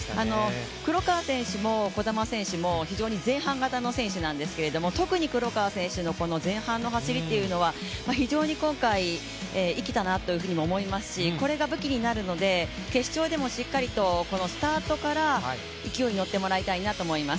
黒川選手も児玉選手も非常に前半型の選手なんですけど特に黒川選手の前半の走りというのは非常に今回、生きたなというふうにも思いますしこれが武器になるので決勝でもしっかりとこのスタートから勢いに乗ってもらいたいなと思います。